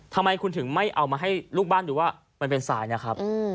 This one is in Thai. ทำไมคุณถึงไม่เอามาให้ลูกบ้านดูว่ามันเป็นทรายนะครับ